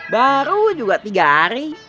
baru juga tiga hari